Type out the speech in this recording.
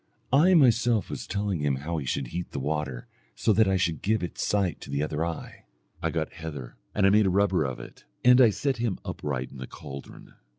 I myself was telling him how he should heat the water, so that I should give its sight to the other eye. I got heather and I made a rubber of it, and I set him upright in the caldron.